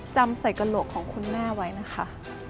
จำใส่กระโหลกของคุณแม่ไว้นะคะ